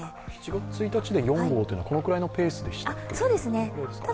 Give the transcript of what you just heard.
７月１日で４号というのはこれぐらいのペースでしたっけ。